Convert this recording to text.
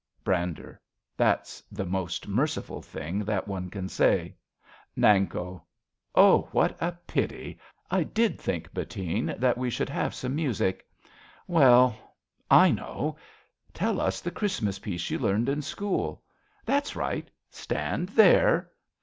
Brander. That's the most merciful thing thai one can say. 50 A BELGIAN CHRISTMAS EVE Nanko. Oh, what a pity! I did think, Bettine, That we should have some music. Well — I know I Tell us the Christmas piece you learned in school. That's right. Stand there